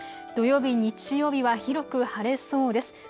土曜日、日曜日は広く晴れそうです。